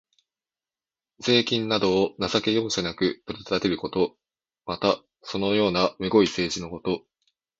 税金などを情け容赦なく取り立てること。また、そのようなむごい政治のこと。